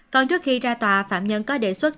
còn trước khi ra tòa phạm nhân có đề xuất